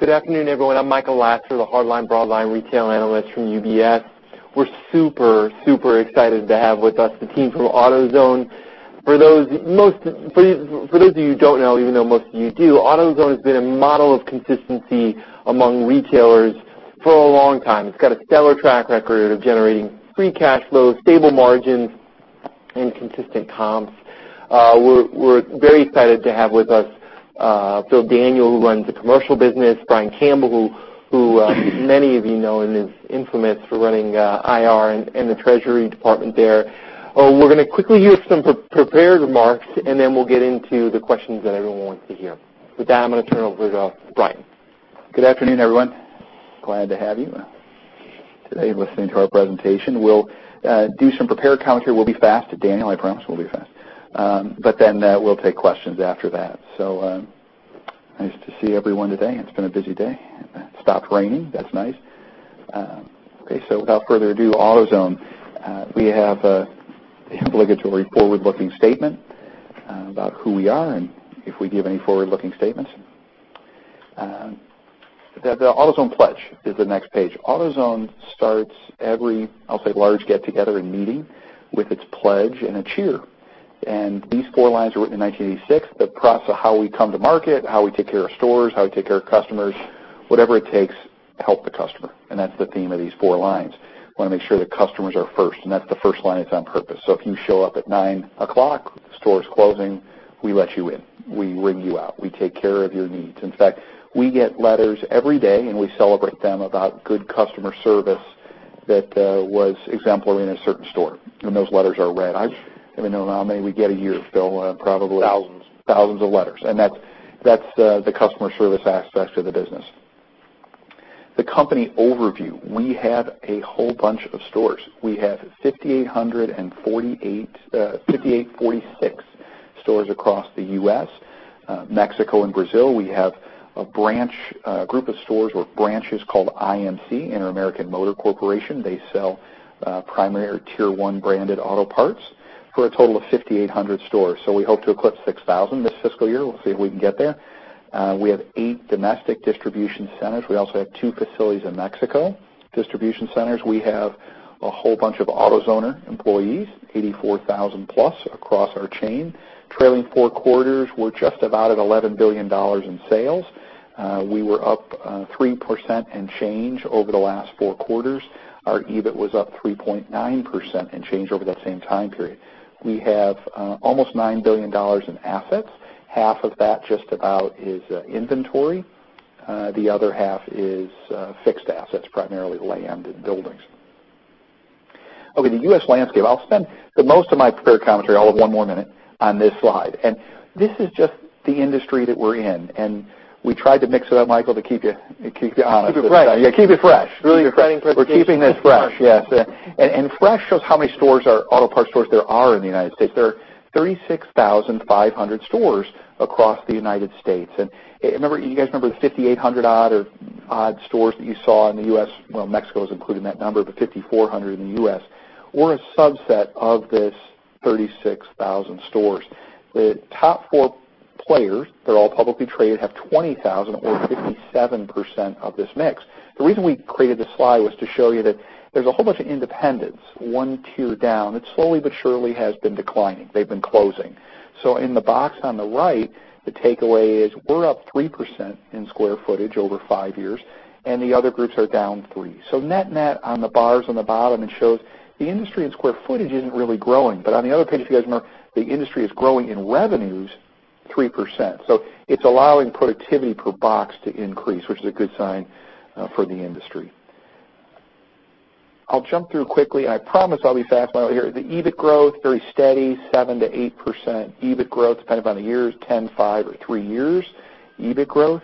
Good afternoon, everyone. I'm Michael Lasser, the hardline/broadline retail analyst from UBS. We're super excited to have with us the team from AutoZone. For those of you who don't know, even though most of you do, AutoZone has been a model of consistency among retailers for a long time. It's got a stellar track record of generating free cash flow, stable margins, and consistent comps. We're very excited to have with us Phil Daniele, who runs the commercial business, Brian Campbell, who many of you know and is infamous for running IR and the treasury department there. We're going to quickly hear some prepared remarks, then we'll get into the questions that everyone wants to hear. With that, I'm going to turn it over to Brian. Good afternoon, everyone. Glad to have you today listening to our presentation. We'll do some prepared commentary. We'll be fast. Daniele, I promise we'll be fast. We'll take questions after that. Nice to see everyone today. It's been a busy day. It stopped raining. That's nice. Without further ado, AutoZone. We have the obligatory forward-looking statement about who we are and if we give any forward-looking statements. The AutoZone pledge is the next page. AutoZone starts every large get-together and meeting with its pledge and a cheer. These four lines were written in 1986 that prosper how we come to market, how we take care of stores, how we take care of customers, whatever it takes to help the customer, that's the theme of these four lines. We want to make sure that customers are first, that's the first line. It's on purpose. If you show up at 9:00, the store is closing, we let you in. We ring you out. We take care of your needs. In fact, we get letters every day, we celebrate them, about good customer service that was exemplary in a certain store, and those letters are read. I don't even know how many we get a year, Phil. Probably- Thousands thousands of letters, that's the customer service aspect of the business. The company overview. We have a whole bunch of stores. We have 5,846 stores across the U.S., Mexico, and Brazil. We have a group of stores or branches called IMC, Interamerican Motor Corporation. They sell primary or Tier 1 branded auto parts for a total of 5,800 stores. We hope to eclipse 6,000 this fiscal year. We'll see if we can get there. We have eight domestic distribution centers. We also have two facilities in Mexico, distribution centers. We have a whole bunch of AutoZoner employees, 84,000-plus across our chain. Trailing four quarters, we're just about at $11 billion in sales. We were up 3% and change over the last four quarters. Our EBIT was up 3.9% and change over that same time period. We have almost $9 billion in assets. Half of that, just about, is inventory. The other half is fixed assets, primarily land and buildings. Okay, the U.S. landscape. I'll spend the most of my prepared commentary, I'll have one more minute, on this slide. This is just the industry that we're in, and we tried to mix it up, Michael, to keep you honest. Keep it fresh. Yeah, keep it fresh. Really exciting presentation. We're keeping this fresh, yes. Fresh shows how many auto parts stores there are in the U.S. There are 36,500 stores across the U.S. You guys remember the 5,800-odd stores that you saw in the U.S., well, Mexico is included in that number, but 5,400 in the U.S. We're a subset of this 36,000 stores. The top four players, they're all publicly traded, have 20,000 or 57% of this mix. The reason we created this slide was to show you that there's a whole bunch of independents, one, two down. It slowly but surely has been declining. They've been closing. In the box on the right, the takeaway is we're up 3% in square footage over 5 years, and the other groups are down 3%. Net net on the bars on the bottom, it shows the industry and square footage isn't really growing, but on the other page, if you guys remember, the industry is growing in revenues 3%. It's allowing productivity per box to increase, which is a good sign for the industry. I'll jump through quickly, and I promise I'll be fast while we're here. The EBIT growth, very steady, 7%-8% EBIT growth, depending upon the years, 10, five, or three years EBIT growth.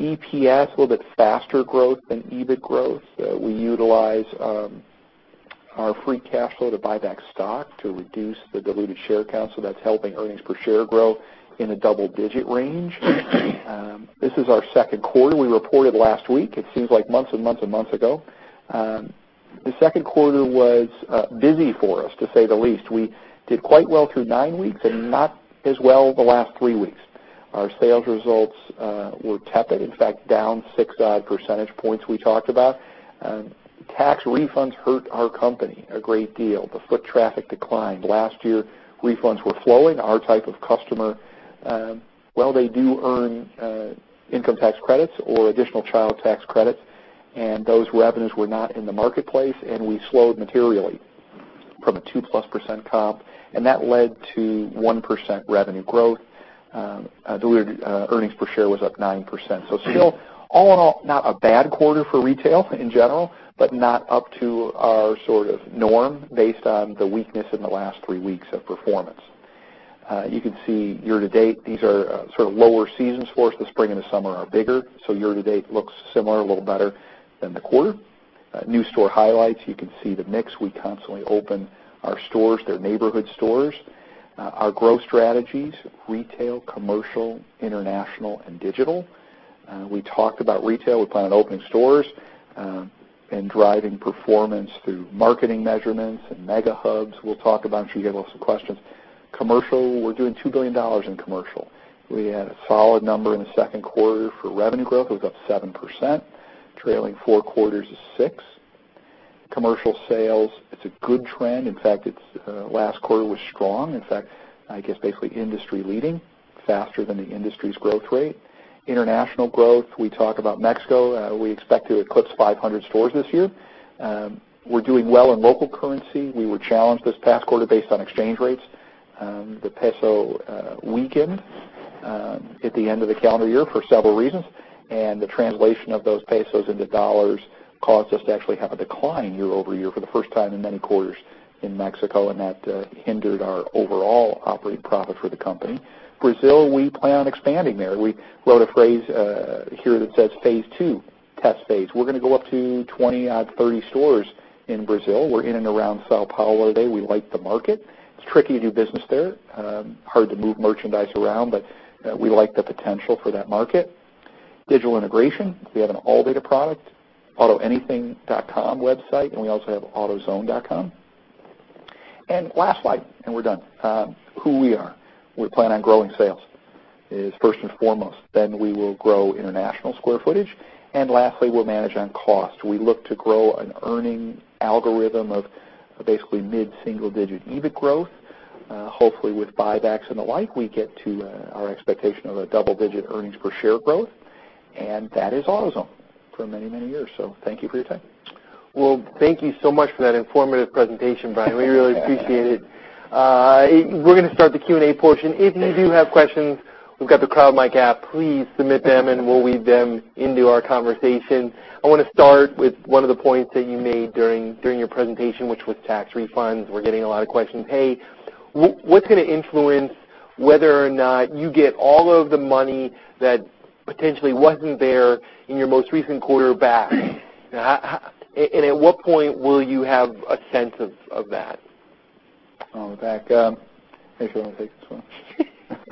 EPS, a little bit faster growth than EBIT growth. We utilize our free cash flow to buy back stock to reduce the diluted share count, that's helping earnings per share grow in a double-digit range. This is our second quarter. We reported last week. It seems like months and months ago. The second quarter was busy for us, to say the least. We did quite well through nine weeks and not as well the last three weeks. Our sales results were tepid, in fact, down six-odd percentage points, we talked about. Tax refunds hurt our company a great deal. The foot traffic declined. Last year, refunds were flowing. Our type of customer, while they do earn income tax credits or additional child tax credits, those revenues were not in the marketplace, we slowed materially from a two-plus% comp, that led to 1% revenue growth. Diluted earnings per share was up 9%. Still, all in all, not a bad quarter for retail in general, but not up to our sort of norm based on the weakness in the last three weeks of performance. You can see year-to-date, these are sort of lower seasons for us. The spring and the summer are bigger, year-to-date looks similar, a little better than the quarter. New store highlights. You can see the mix. We constantly open our stores. They're neighborhood stores. Our growth strategies, retail, commercial, international, and digital. We talked about retail. We plan on opening stores and driving performance through marketing measurements and Mega Hubs we'll talk about. I'm sure you have lots of questions. Commercial, we're doing $2 billion in commercial. We had a solid number in the second quarter for revenue growth. We've got 7%. Trailing four quarters is six. Commercial sales, it's a good trend. In fact, last quarter was strong. In fact, I guess basically industry-leading, faster than the industry's growth rate. International growth, we talk about Mexico. We expect to eclipse 500 stores this year. We're doing well in local currency. We were challenged this past quarter based on exchange rates. The peso weakened at the end of the calendar year for several reasons, the translation of those pesos into dollars caused us to actually have a decline year-over-year for the first time in many quarters in Mexico, and that hindered our overall operating profit for the company. Brazil, we plan on expanding there. We wrote a phrase here that says phase 2 test phase. We're gonna go up to 20-30 stores in Brazil. We're in and around São Paulo today. We like the market. It's tricky to do business there, hard to move merchandise around, but we like the potential for that market. Digital integration, we have an ALLDATA product, autoanything.com website, and we also have autozone.com. Last slide, and we're done. Who we are. We plan on growing sales is first and foremost, we will grow international square footage, and lastly, we'll manage on cost. We look to grow an earning algorithm of basically mid-single-digit EBIT growth. Hopefully with buybacks and the like, we get to our expectation of a double-digit earnings per share growth, and that is AutoZone for many years. Thank you for your time. Well, thank you so much for that informative presentation, Brian. We really appreciate it. We're gonna start the Q&A portion. If you do have questions, we've got the CrowdMics app. Please submit them, and we'll weave them into our conversation. I wanna start with one of the points that you made during your presentation, which was tax refunds. We're getting a lot of questions. Hey, what's gonna influence whether or not you get all of the money that potentially wasn't there in your most recent quarter back? At what point will you have a sense of that? I'll back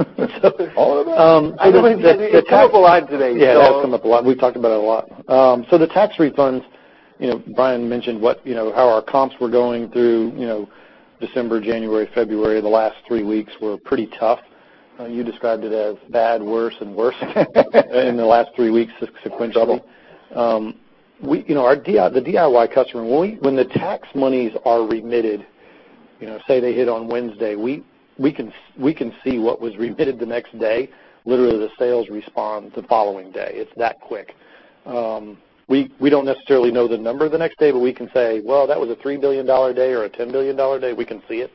up. Make sure I take this one. All of that? It's come up a lot today. It has come up a lot. We've talked about it a lot. The tax refunds, Brian mentioned how our comps were going through December, January, February. The last three weeks were pretty tough. You described it as bad, worse, and worse in the last three weeks sequentially. The DIY customer, when the tax monies are remitted, say they hit on Wednesday, we can see what was remitted the next day. Literally, the sales respond the following day. It's that quick. We don't necessarily know the number the next day, but we can say, "Well, that was a $3 billion day or a $10 billion day." We can see it.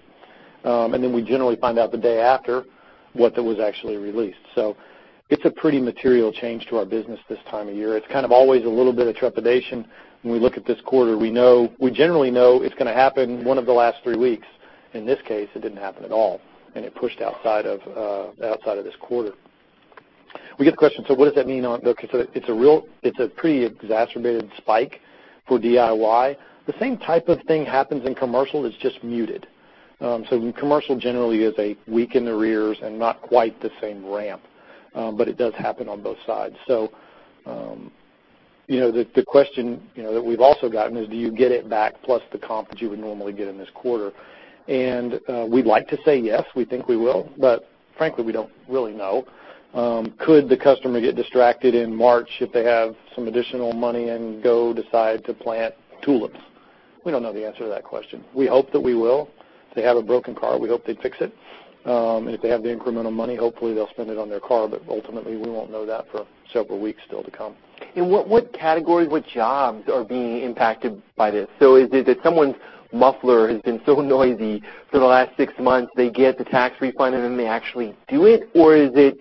Then we generally find out the day after what was actually released. It's a pretty material change to our business this time of year. It's kind of always a little bit of trepidation when we look at this quarter. We generally know it's going to happen one of the last three weeks. In this case, it didn't happen at all. It pushed outside of this quarter. We get the question. It's a pretty exacerbated spike for DIY. The same type of thing happens in commercial. It's just muted. Commercial generally is a week in arrears and not quite the same ramp, it does happen on both sides. The question that we've also gotten is, do you get it back plus the comp that you would normally get in this quarter? We'd like to say yes, we think we will, frankly, we don't really know. Could the customer get distracted in March if they have some additional money and go decide to plant tulips? We don't know the answer to that question. We hope that we will. If they have a broken car, we hope they fix it. If they have the incremental money, hopefully they'll spend it on their car, ultimately, we won't know that for several weeks still to come. What categories, what jobs are being impacted by this? Is it that someone's muffler has been so noisy for the last six months, they get the tax refund, then they actually do it? Is it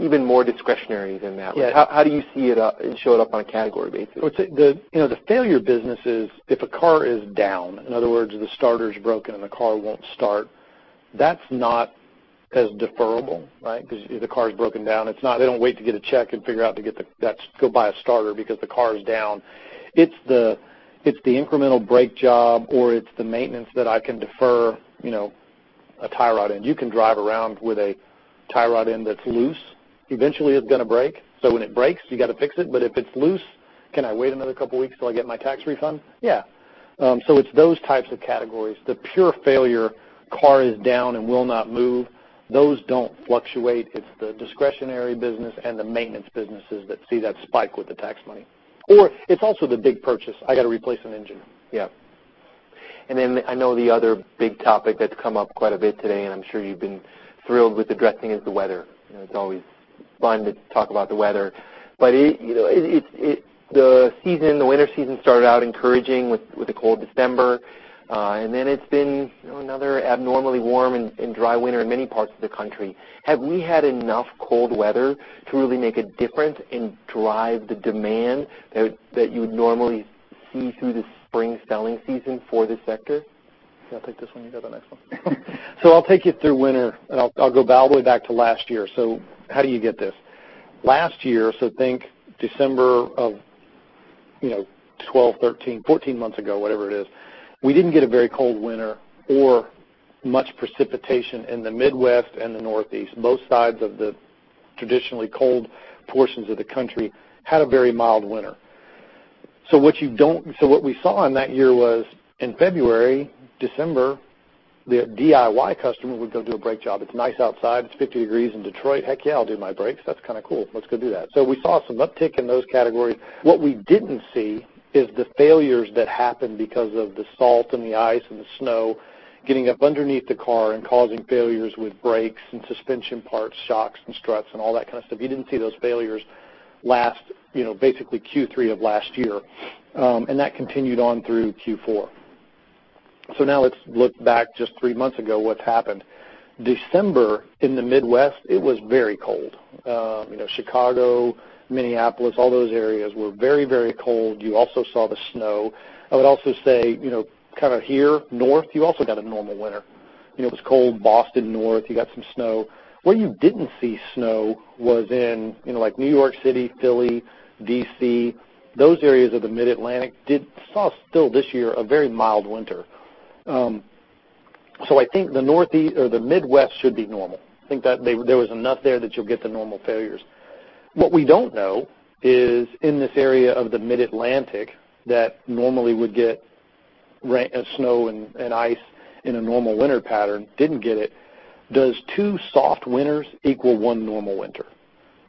even more discretionary than that? Yeah. How do you see it showing up on a category basis? The failure business is if a car is down, in other words, the starter's broken and the car won't start. That's not as deferrable because if the car's broken down, they don't wait to get a check and figure out to go buy a starter because the car is down. It's the incremental brake job, or it's the maintenance that I can defer a tie rod end. You can drive around with a tie rod end that's loose. Eventually, it's gonna break. When it breaks, you got to fix it. If it's loose, can I wait another couple of weeks till I get my tax refund? Yeah. It's those types of categories. The pure failure, car is down and will not move. Those don't fluctuate. It's the discretionary business and the maintenance businesses that see that spike with the tax money. It's also the big purchase. I got to replace an engine. Yeah. I know the other big topic that's come up quite a bit today, and I'm sure you've been thrilled with addressing, is the weather. It's always fun to talk about the weather. The winter season started out encouraging with a cold December, it's been another abnormally warm and dry winter in many parts of the country. Have we had enough cold weather to really make a difference and drive the demand that you would normally see through the spring selling season for this sector? Yeah, I'll take this one. You got the next one. I'll take you through winter, I'll go all the way back to last year. How do you get this? Last year, think December of 12, 13, 14 months ago, whatever it is, we didn't get a very cold winter or much precipitation in the Midwest and the Northeast. Both sides of the traditionally cold portions of the country had a very mild winter What we saw in that year was in February, December, the DIY customer would go do a brake job. It's nice outside. It's 50 degrees in Detroit. Heck, yeah, I'll do my brakes. That's kind of cool. Let's go do that. We saw some uptick in those categories. What we didn't see is the failures that happened because of the salt and the ice and the snow getting up underneath the car and causing failures with brakes and suspension parts, shocks and struts, and all that kind of stuff. You didn't see those failures last basically Q3 of last year. That continued on through Q4. Now let's look back just three months ago, what's happened. December in the Midwest, it was very cold. Chicago, Minneapolis, all those areas were very, very cold. You also saw the snow. I would also say, kind of here, north, you also got a normal winter. It was cold Boston north. You got some snow. Where you didn't see snow was in New York City, Philly, D.C. Those areas of the Mid-Atlantic saw still this year a very mild winter. I think the Midwest should be normal. I think that there was enough there that you'll get the normal failures. What we don't know is in this area of the Mid-Atlantic that normally would get snow and ice in a normal winter pattern, didn't get it. Does two soft winters equal one normal winter?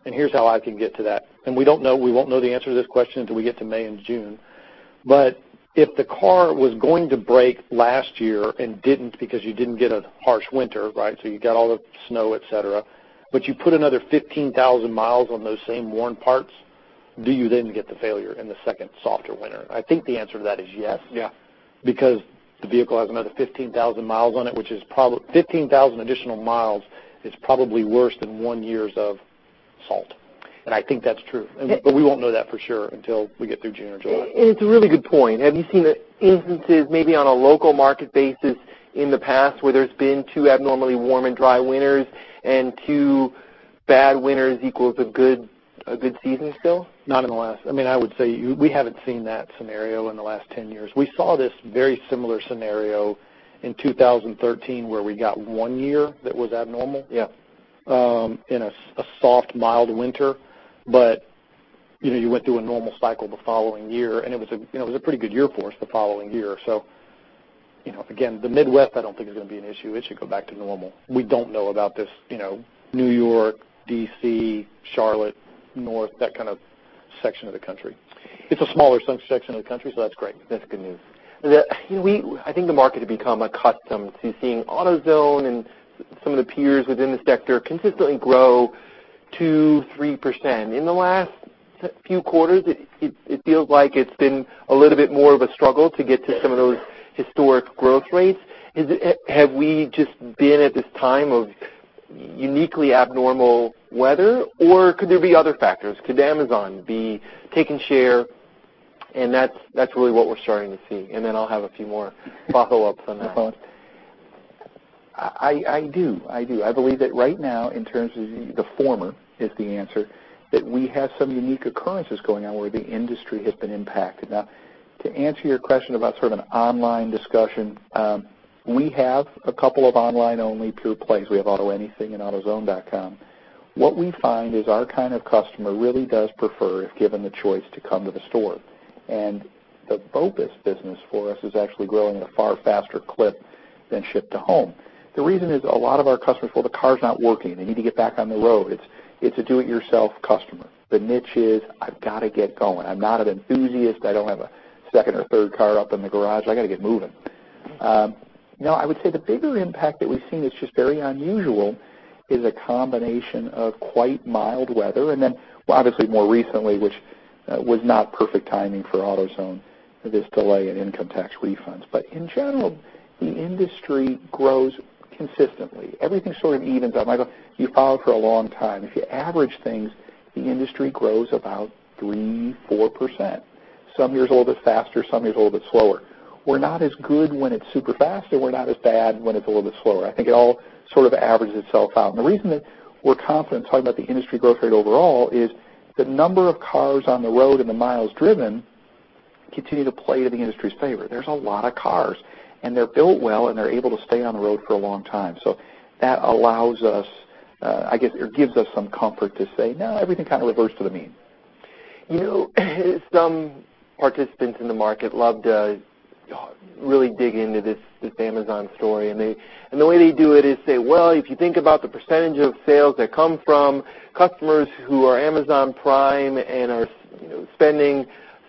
Here's how I can get to that. We don't know. We won't know the answer to this question until we get to May and June. If the car was going to break last year and didn't because you didn't get a harsh winter, so you got all the snow, et cetera, but you put another 15,000 miles on those same worn parts, do you then get the failure in the second softer winter? I think the answer to that is yes. Yeah. Because the vehicle has another 15,000 miles on it, which is probably 15,000 additional miles is probably worse than one years of salt. I think that's true, but we won't know that for sure until we get through June or July. It's a really good point. Have you seen instances maybe on a local market basis in the past where there's been two abnormally warm and dry winters and two bad winters equals a good season still? Not in the last I would say we haven't seen that scenario in the last 10 years. We saw this very similar scenario in 2013 where we got one year that was abnormal. Yeah. You went through a normal cycle the following year, and it was a pretty good year for us the following year. Again, the Midwest, I don't think is going to be an issue. It should go back to normal. We don't know about this New York, D.C., Charlotte, North, that kind of section of the country. It's a smaller subsection of the country, that's great. That's good news. I think the market had become accustomed to seeing AutoZone and some of the peers within the sector consistently grow 2%, 3%. In the last few quarters, it feels like it's been a little bit more of a struggle to get to some of those historic growth rates. Have we just been at this time of uniquely abnormal weather, or could there be other factors? Could Amazon be taking share, and that's really what we're starting to see? Then I'll have a few more follow-ups on that. I do. I believe that right now, in terms of the former is the answer, that we have some unique occurrences going on where the industry has been impacted. To answer your question about sort of an online discussion, we have a couple of online-only pure plays. We have AutoAnything and autozone.com. What we find is our kind of customer really does prefer, if given the choice, to come to the store. The BOPUS business for us is actually growing at a far faster clip than ship-to-home. The reason is a lot of our customers, well, the car's not working. They need to get back on the road. It's a do-it-yourself customer. The niche is, I've got to get going. I'm not an enthusiast. I don't have a second or third car up in the garage. I got to get moving. I would say the bigger impact that we've seen that's just very unusual is a combination of quite mild weather, then, obviously more recently, which was not perfect timing for AutoZone, this delay in income tax refunds. In general, the industry grows consistently. Everything sort of evens out. Michael, you follow for a long time. If you average things, the industry grows about 3%, 4%. Some years a little bit faster, some years a little bit slower. We're not as good when it's super fast, and we're not as bad when it's a little bit slower. I think it all sort of averages itself out. The reason that we're confident talking about the industry growth rate overall is the number of cars on the road and the miles driven continue to play to the industry's favor. There's a lot of cars, and they're built well, and they're able to stay on the road for a long time. That allows us, I guess, or gives us some comfort to say, no, everything kind of reverts to the mean. Some participants in the market love to really dig into this Amazon story, and the way they do it is say, well, if you think about the percentage of sales that come from customers who are Amazon Prime and are spending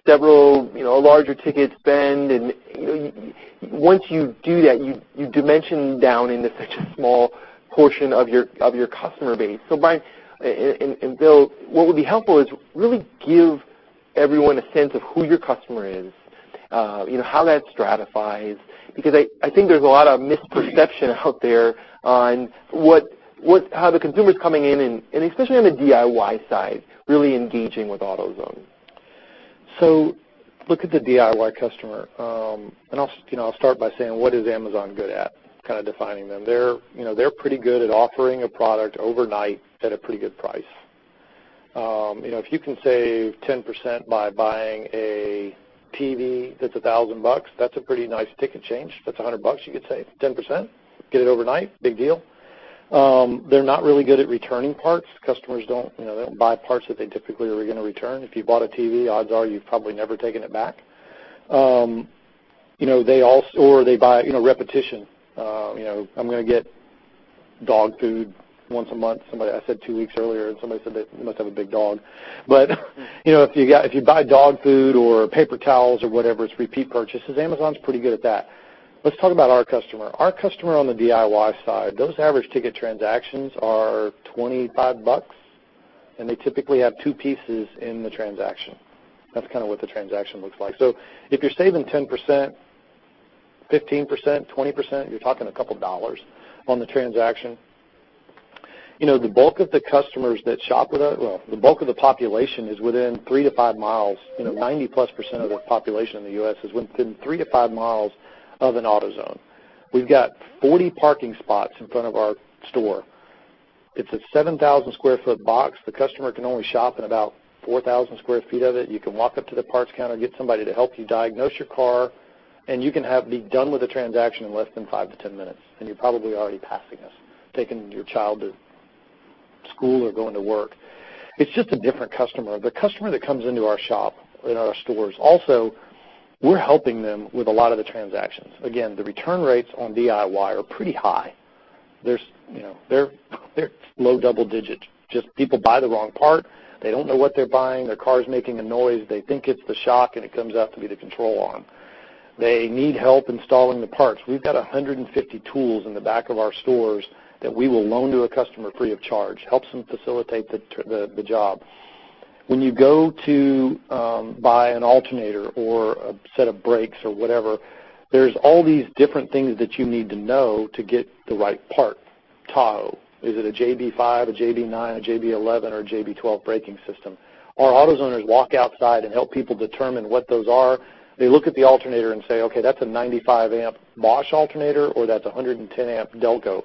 several, a larger ticket spend, and once you do that, you dimension down into such a small portion of your customer base. Brian and Phil, what would be helpful is really give everyone a sense of who your customer is, how that stratifies, because I think there's a lot of misperception out there on how the consumer's coming in, and especially on the DIY side, really engaging with AutoZone. Look at the DIY customer. I'll start by saying, what is Amazon good at? Kind of defining them. They're pretty good at offering a product overnight at a pretty good price. If you can save 10% by buying a TV that's $1,000, that's a pretty nice ticket change. That's $100 you could save, 10%, get it overnight, big deal. They're not really good at returning parts. Customers don't buy parts that they typically are going to return. If you bought a TV, odds are you've probably never taken it back. Or they buy repetition. I'm going to get dog food once a month. I said two weeks earlier, and somebody said that you must have a big dog. If you buy dog food or paper towels or whatever, it's repeat purchases. Amazon's pretty good at that. Let's talk about our customer. Our customer on the DIY side, those average ticket transactions are $25, and they typically have two pieces in the transaction. That's kind of what the transaction looks like. If you're saving 10%, 15%, 20%, you're talking a couple of dollars on the transaction. The bulk of the population is within three to five miles. 90%-plus of the population in the U.S. is within three to five miles of an AutoZone. We've got 40 parking spots in front of our store. It's a 7,000 square foot box. The customer can only shop in about 4,000 square feet of it. You can walk up to the parts counter, get somebody to help you diagnose your car, and you can be done with a transaction in less than five to 10 minutes, and you're probably already passing us, taking your child to school or going to work. It's just a different customer. The customer that comes into our shop, in our stores, also, we're helping them with a lot of the transactions. Again, the return rates on DIY are pretty high. They're low double digit. Just people buy the wrong part. They don't know what they're buying. Their car's making a noise. They think it's the shock, and it comes out to be the control arm. They need help installing the parts. We've got 150 tools in the back of our stores that we will loan to a customer free of charge, helps them facilitate the job. When you go to buy an alternator or a set of brakes or whatever, there's all these different things that you need to know to get the right part. Tahoe, is it a JB 5, a JB 9, a JB 11, or a JB 12 braking system? Our AutoZoners walk outside and help people determine what those are. They look at the alternator and say, "Okay, that's a 95-amp Bosch alternator, or that's 110-amp ACDelco."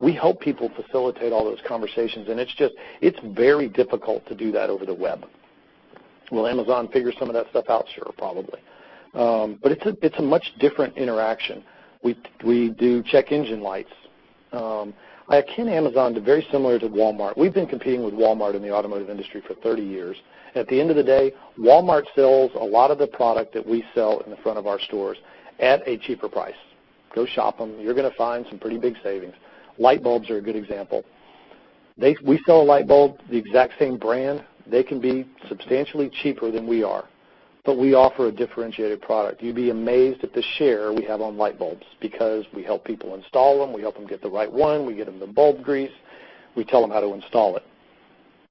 We help people facilitate all those conversations. It's very difficult to do that over the web. Will Amazon figure some of that stuff out? Sure, probably. It's a much different interaction. We do check engine lights. I akin Amazon to very similar to Walmart. We've been competing with Walmart in the automotive industry for 30 years. At the end of the day, Walmart sells a lot of the product that we sell in the front of our stores at a cheaper price. Go shop them. You're going to find some pretty big savings. Light bulbs are a good example. We sell a light bulb, the exact same brand, they can be substantially cheaper than we are. We offer a differentiated product. You'd be amazed at the share we have on light bulbs because we help people install them, we help them get the right one, we get them the bulb grease, we tell them how to install it.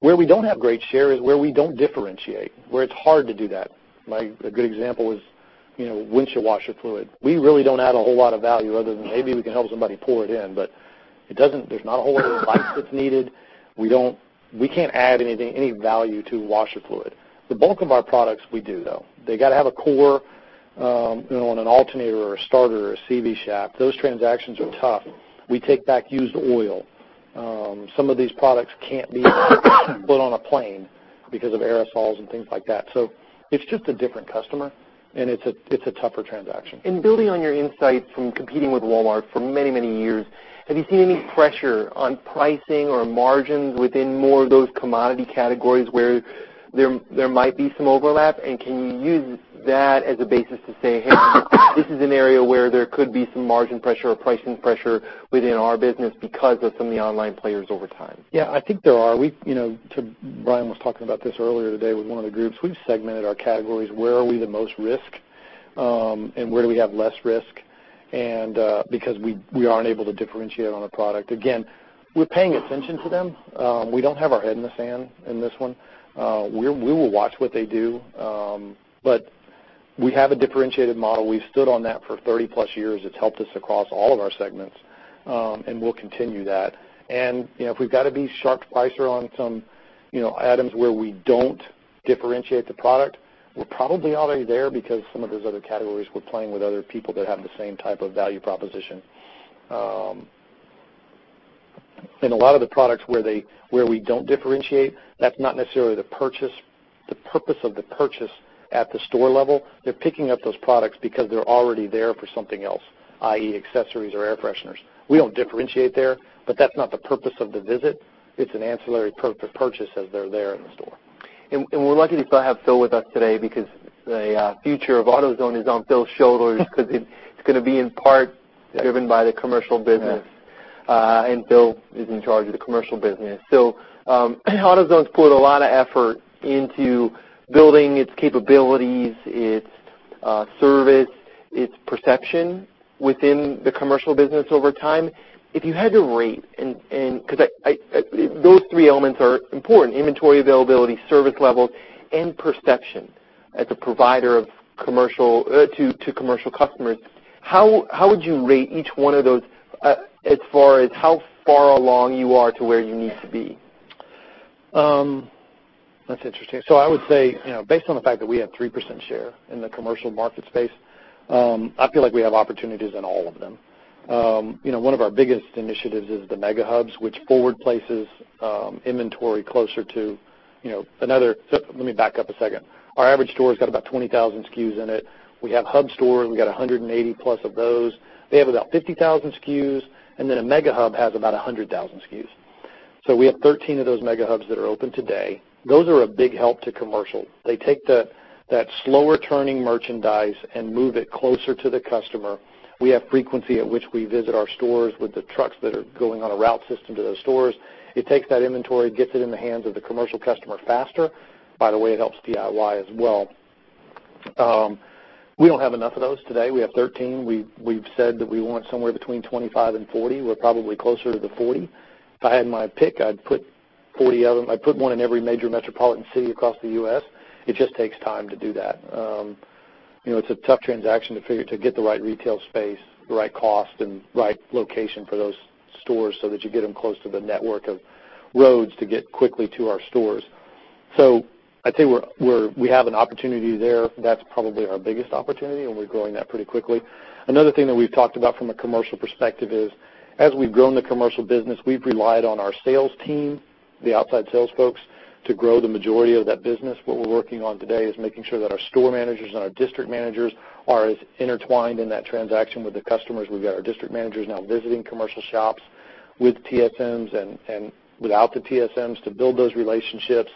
Where we don't have great share is where we don't differentiate, where it's hard to do that. A good example is windshield washer fluid. We really don't add a whole lot of value other than maybe we can help somebody pour it in, but there's not a whole lot of life that's needed. We can't add any value to washer fluid. The bulk of our products we do, though. They got to have a core on an alternator or a starter or a CV shaft. Those transactions are tough. We take back used oil. Some of these products can't be put on a plane because of aerosols and things like that. It's just a different customer, and it's a tougher transaction. Building on your insights from competing with Walmart for many, many years, have you seen any pressure on pricing or margins within more of those commodity categories where there might be some overlap? Can you use that as a basis to say, "Hey, this is an area where there could be some margin pressure or pricing pressure within our business because of some of the online players over time? Yeah, I think there are. Brian was talking about this earlier today with one of the groups. We've segmented our categories, where are we the most risk, and where do we have less risk? Because we aren't able to differentiate on a product. Again, we're paying attention to them. We don't have our head in the sand in this one. We will watch what they do, but we have a differentiated model. We've stood on that for 30-plus years. It's helped us across all of our segments, and we'll continue that. If we've got to be sharp pricer on some items where we don't differentiate the product, we're probably already there because some of those other categories we're playing with other people that have the same type of value proposition. A lot of the products where we don't differentiate, that's not necessarily the purpose of the purchase at the store level. They're picking up those products because they're already there for something else, i.e., accessories or air fresheners. We don't differentiate there, but that's not the purpose of the visit. It's an ancillary purchase as they're there in the store. We're lucky to still have Phil with us today because the future of AutoZone is on Phil's shoulders because it's going to be in part driven by the commercial business, and Phil is in charge of the commercial business. AutoZone's put a lot of effort into building its capabilities, its service, its perception within the commercial business over time. If you had to rate, because those three elements are important, inventory availability, service levels, and perception as a provider to commercial customers, how would you rate each one of those as far as how far along you are to where you need to be? That's interesting. I would say, based on the fact that we have 3% share in the commercial market space, I feel like we have opportunities in all of them. One of our biggest initiatives is the Mega Hubs. Let me back up a second. Our average store's got about 20,000 SKUs in it. We have hub stores. We got 180-plus of those. They have about 50,000 SKUs, and then a Mega Hub has about 100,000 SKUs. We have 13 of those Mega Hubs that are open today. Those are a big help to commercial. They take that slower-turning merchandise and move it closer to the customer. We have frequency at which we visit our stores with the trucks that are going on a route system to those stores. It takes that inventory, gets it in the hands of the commercial customer faster. By the way, it helps DIY as well. We don't have enough of those today. We have 13. We've said that we want somewhere between 25 and 40. We're probably closer to the 40. If I had my pick, I'd put 40 of them. I'd put one in every major metropolitan city across the U.S. It just takes time to do that. It's a tough transaction to figure to get the right retail space, the right cost, and right location for those stores so that you get them close to the network of roads to get quickly to our stores. I'd say we have an opportunity there. That's probably our biggest opportunity, and we're growing that pretty quickly. Another thing that we've talked about from a commercial perspective is, as we've grown the commercial business, we've relied on our sales team, the outside sales folks, to grow the majority of that business. What we're working on today is making sure that our store managers and our district managers are as intertwined in that transaction with the customers. We've got our district managers now visiting commercial shops with TSMs and without the TSMs to build those relationships,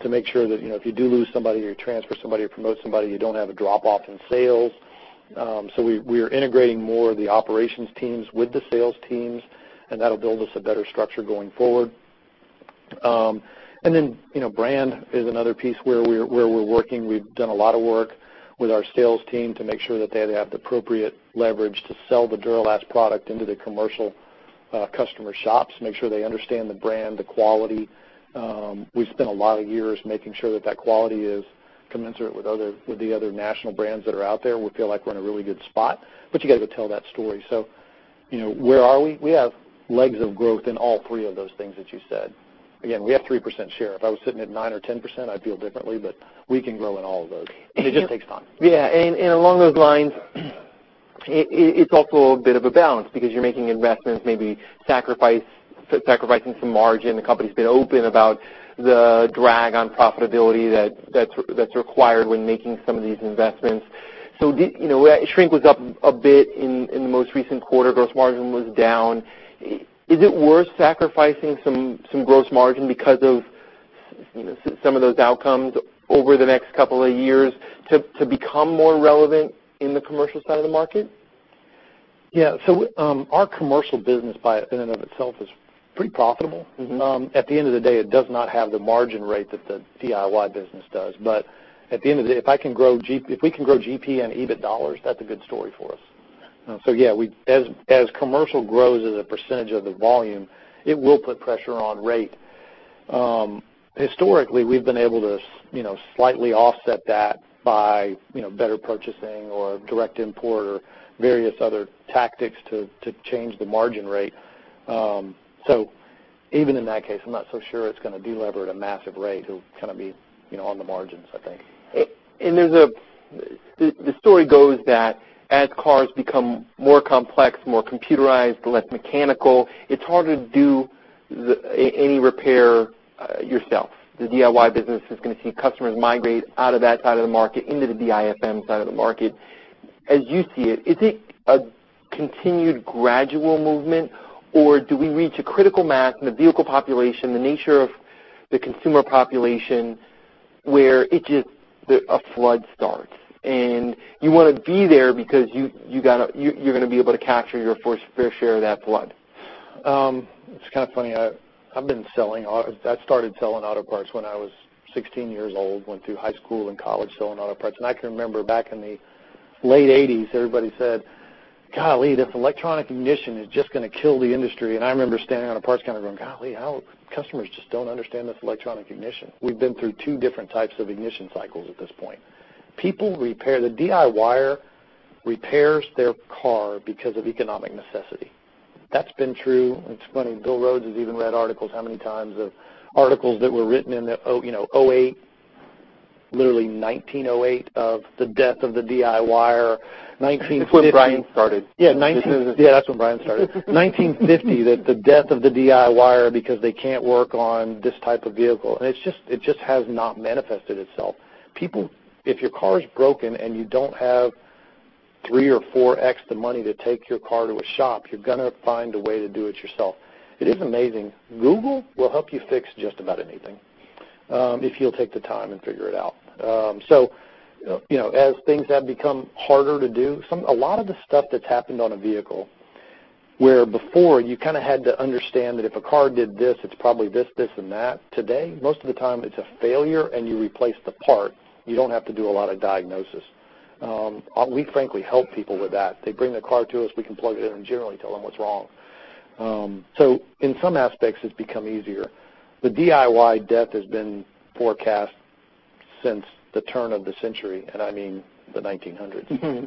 to make sure that if you do lose somebody or you transfer somebody or promote somebody, you don't have a drop-off in sales. We are integrating more of the operations teams with the sales teams, and that'll build us a better structure going forward. Brand is another piece where we're working. We've done a lot of work with our sales team to make sure that they have the appropriate leverage to sell the Duralast product into the commercial customer shops, make sure they understand the brand, the quality. We've spent a lot of years making sure that that quality is commensurate with the other national brands that are out there. We feel like we're in a really good spot, but you got to go tell that story. Where are we? We have legs of growth in all three of those things that you said. Again, we have 3% share. If I was sitting at 9% or 10%, I'd feel differently, but we can grow in all of those. It just takes time. Along those lines, it's also a bit of a balance because you're making investments, maybe sacrificing some margin. The company's been open about the drag on profitability that's required when making some of these investments. Shrink was up a bit in the most recent quarter. Gross margin was down. Is it worth sacrificing some gross margin because of some of those outcomes over the next couple of years to become more relevant in the commercial side of the market? Yeah. Our commercial business by and of itself is pretty profitable. At the end of the day, it does not have the margin rate that the DIY business does. At the end of the day, if we can grow GP and EBIT dollars, that's a good story for us. Yeah, as commercial grows as a percentage of the volume, it will put pressure on rate. Historically, we've been able to slightly offset that by better purchasing or direct import or various other tactics to change the margin rate. Even in that case, I'm not so sure it's going to de-lever at a massive rate. It'll kind of be on the margins, I think. The story goes that as cars become more complex, more computerized, less mechanical, it's harder to do any repair yourself. The DIY business is going to see customers migrate out of that side of the market into the DIFM side of the market. As you see it, is it a continued gradual movement, or do we reach a critical mass in the vehicle population, the nature of the consumer population, where it just a flood starts, and you want to be there because you're going to be able to capture your fair share of that flood? It's kind of funny. I started selling auto parts when I was 16 years old, went through high school and college selling auto parts. I can remember back in the late '80s, everybody said, "Golly, this electronic ignition is just going to kill the industry." I remember standing on a parts counter going, "Golly, our customers just don't understand this electronic ignition." We've been through 2 different types of ignition cycles at this point. People repair, the DIYer repairs their car because of economic necessity. That's been true. It's funny, Bill Rhodes has even read articles how many times of articles that were written in the '08, literally 1908, of the death of the DIYer, 1950- That's when Brian started. Yeah. That's when Brian started. 1950, the death of the DIYer because they can't work on this type of vehicle. It just has not manifested itself. If your car is broken and you don't have 3 or 4x the money to take your car to a shop, you're going to find a way to do it yourself. It is amazing. Google will help you fix just about anything, if you'll take the time and figure it out. As things have become harder to do, a lot of the stuff that's happened on a vehicle, where before you kind of had to understand that if a car did this, it's probably this, and that. Today, most of the time it's a failure and you replace the part. You don't have to do a lot of diagnosis. We frankly help people with that. They bring their car to us, we can plug it in and generally tell them what's wrong. In some aspects, it's become easier. The DIY death has been forecast since the turn of the century, and I mean the 1900s. Along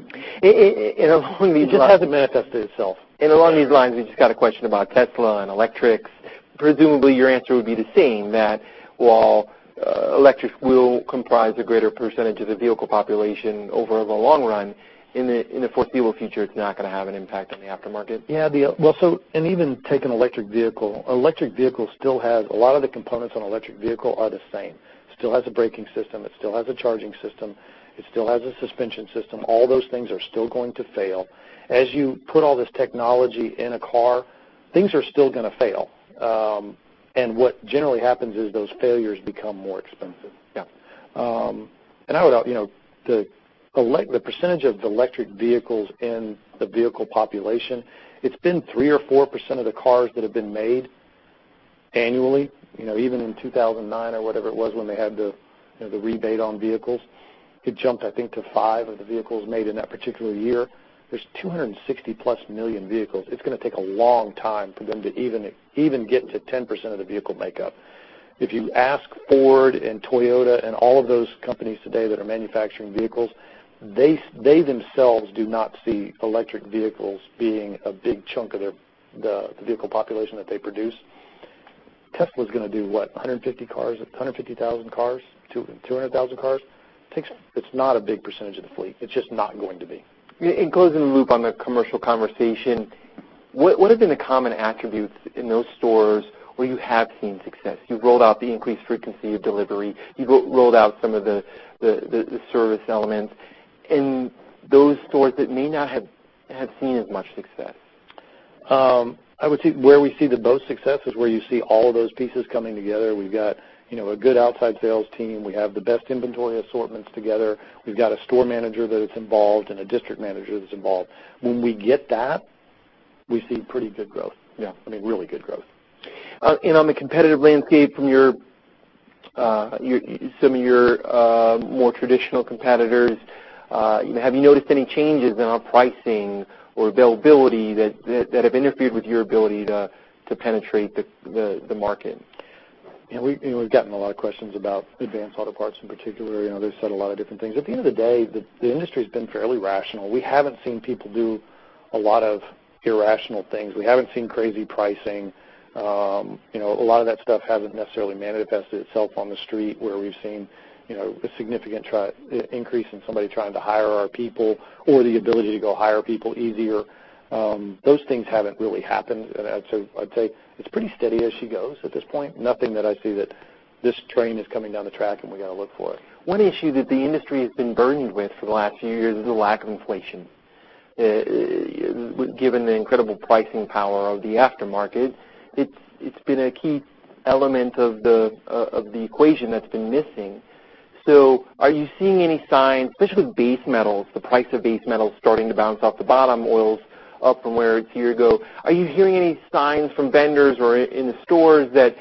these lines. It just hasn't manifested itself. Along these lines, we just got a question about Tesla and electrics. Presumably, your answer would be the same, that while electrics will comprise a greater % of the vehicle population over the long run, in the foreseeable future, it's not going to have an impact on the aftermarket. Yeah. Even take an electric vehicle. A lot of the components on an electric vehicle are the same. Still has a braking system. It still has a charging system. It still has a suspension system. All those things are still going to fail. As you put all this technology in a car, things are still going to fail. What generally happens is those failures become more expensive. Yeah. I would, the percentage of the electric vehicles in the vehicle population, it's been 3% or 4% of the cars that have been made annually. Even in 2009 or whatever it was when they had the rebate on vehicles, it jumped, I think, to 5% of the vehicles made in that particular year. There's 260-plus million vehicles. It's going to take a long time for them to even get to 10% of the vehicle makeup. If you ask Ford and Toyota and all of those companies today that are manufacturing vehicles, they themselves do not see electric vehicles being a big chunk of the vehicle population that they produce. Tesla's going to do what, 150,000 cars, 200,000 cars? It's not a big percentage of the fleet. It's just not going to be. Closing the loop on the commercial conversation, what have been the common attributes in those stores where you have seen success? You've rolled out the increased frequency of delivery. You've rolled out some of the service elements. In those stores that may not have had seen as much success. I would say where we see the most success is where you see all of those pieces coming together. We've got a good outside sales team. We have the best inventory assortments together. We've got a store manager that's involved and a district manager that's involved. When we get that, we see pretty good growth. Yeah. I mean, really good growth. On the competitive landscape from some of your more traditional competitors, have you noticed any changes in pricing or availability that have interfered with your ability to penetrate the market? We've gotten a lot of questions about Advance Auto Parts in particular. They've said a lot of different things. At the end of the day, the industry's been fairly rational. We haven't seen people do a lot of irrational things. We haven't seen crazy pricing. A lot of that stuff hasn't necessarily manifested itself on the street where we've seen a significant increase in somebody trying to hire our people or the ability to go hire people easier. Those things haven't really happened. I'd say it's pretty steady as she goes at this point. Nothing that I see that this train is coming down the track and we got to look for. One issue that the industry has been burdened with for the last few years is a lack of inflation. Given the incredible pricing power of the aftermarket, it's been a key element of the equation that's been missing. Are you seeing any signs, especially with base metals, the price of base metals starting to bounce off the bottom, oil's up from where it's a year ago. Are you hearing any signs from vendors or in the stores that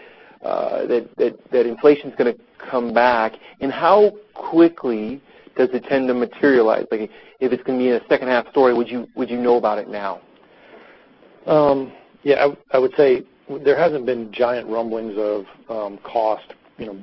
inflation's going to come back, and how quickly does it tend to materialize? If it's going to be a second-half story, would you know about it now? Yeah, I would say there hasn't been giant rumblings of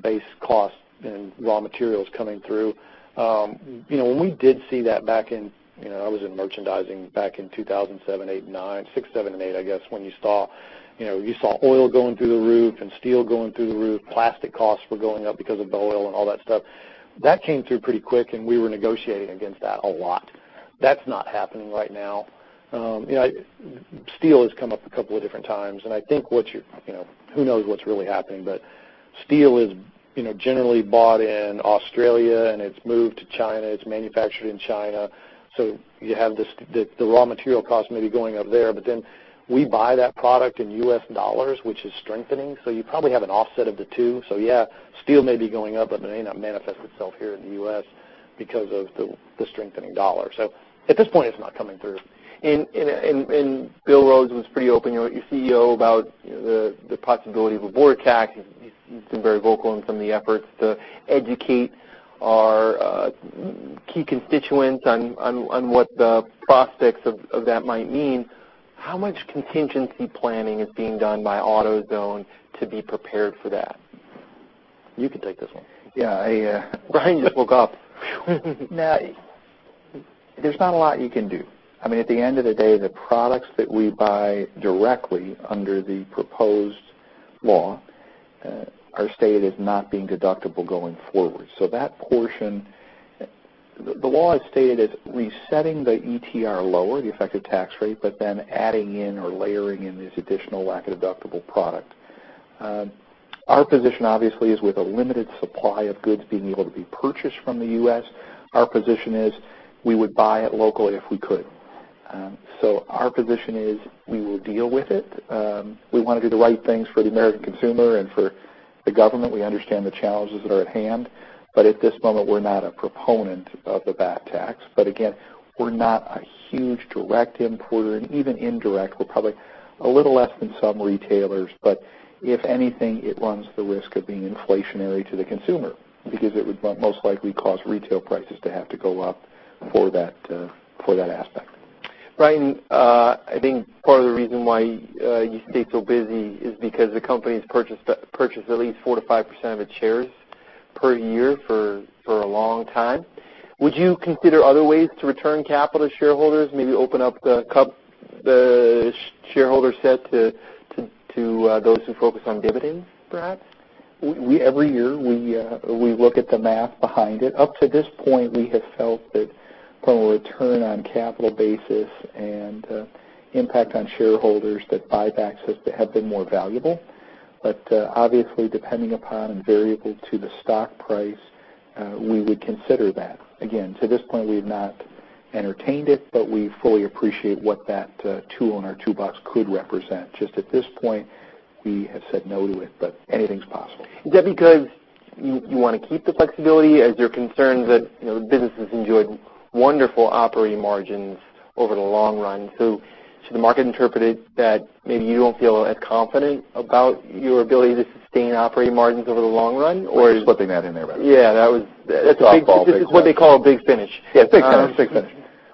base costs and raw materials coming through. When we did see that back in, I was in merchandising back in 2007, 2008, 2009. 2006, 2007, and 2008, I guess, when you saw oil going through the roof and steel going through the roof. Plastic costs were going up because of oil and all that stuff. That came through pretty quick, and we were negotiating against that a lot. That's not happening right now. Steel has come up a couple of different times, and I think, who knows what's really happening, but steel is generally bought in Australia, and it's moved to China. It's manufactured in China. You have the raw material cost may be going up there. We buy that product in USD, which is strengthening, so you probably have an offset of the two. Yeah, steel may be going up, but it may not manifest itself here in the U.S. because of the strengthening dollar. At this point, it's not coming through. Bill Rhodes was pretty open, your CEO, about the possibility of a border tax. He's been very vocal in some of the efforts to educate our key constituents on what the prospects of that might mean. How much contingency planning is being done by AutoZone to be prepared for that? You can take this one. Yeah. Brian just woke up. There's not a lot you can do. I mean, at the end of the day, the products that we buy directly under the proposed law are stated as not being deductible going forward. That portion, the law has stated it's resetting the ETR lower, the effective tax rate, but then adding in or layering in this additional lack of deductible product. Our position, obviously, is with a limited supply of goods being able to be purchased from the U.S., our position is we would buy it locally if we could. Our position is we will deal with it. We want to do the right things for the American consumer and for the government. We understand the challenges that are at hand, but at this moment, we're not a proponent of the BAT tax. Again, we're not a huge direct importer, and even indirect, we're probably a little less than some retailers, but if anything, it runs the risk of being inflationary to the consumer because it would most likely cause retail prices to have to go up for that aspect. Brian, I think part of the reason why you stay so busy is because the company's purchased at least 4%-5% of its shares per year for a long time. Would you consider other ways to return capital to shareholders, maybe open up the shareholder set to those who focus on dividends, perhaps? Every year, we look at the math behind it. Up to this point, we have felt that from a return on capital basis and impact on shareholders, that buybacks have been more valuable. Obviously, depending upon and variable to the stock price, we would consider that. Again, to this point, we have not entertained it, we fully appreciate what that tool in our toolbox could represent. Just at this point, we have said no to it, anything's possible. Is that because you want to keep the flexibility, as you're concerned that businesses enjoyed wonderful operating margins over the long run, should the market interpret it that maybe you don't feel as confident about your ability to sustain operating margins over the long run? You're slipping that in there, Brian. Yeah. Softball This is what they call a big finish. Yeah, big finish. Big finish.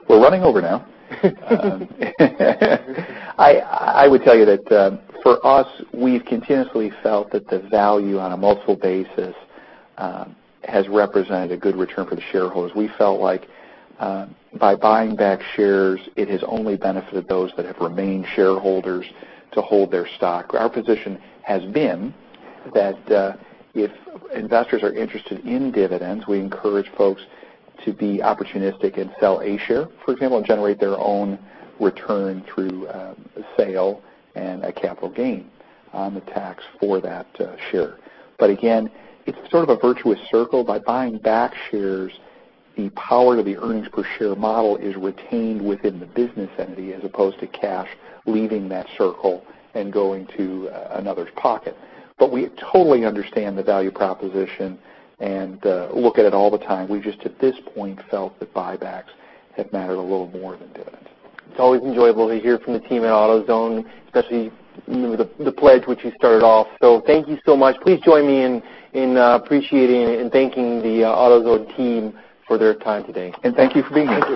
We're running over now. I would tell you that for us, we've continuously felt that the value on a multiple basis has represented a good return for the shareholders. We felt like by buying back shares, it has only benefited those that have remained shareholders to hold their stock. Our position has been that if investors are interested in dividends, we encourage folks to be opportunistic and sell a share, for example, and generate their own return through a sale and a capital gain on the tax for that share. Again, it's sort of a virtuous circle. By buying back shares, the power of the earnings per share model is retained within the business entity as opposed to cash leaving that circle and going to another's pocket. We totally understand the value proposition and look at it all the time. We've just, at this point, felt that buybacks have mattered a little more than dividends. It's always enjoyable to hear from the team at AutoZone, especially the pledge which you started off. Thank you so much. Please join me in appreciating and thanking the AutoZone team for their time today. Thank you for being here.